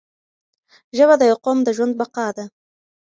ژبه د یو قوم د ژوند بقا ده